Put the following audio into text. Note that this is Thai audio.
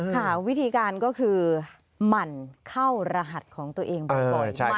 ค่ะวิธีการก็คือหมั่นเข้ารหัสของตัวเองบ่อยมาก